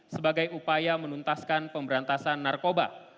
sebagai upaya menuntaskan pemberantasan narkoba